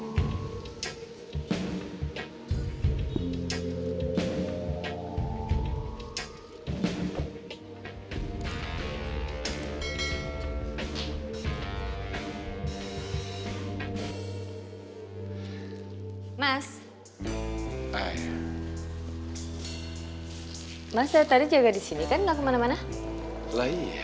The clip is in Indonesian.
mas saya tadi jaga di sini